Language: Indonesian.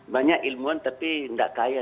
banyak ilmuwan tapi nggak kaya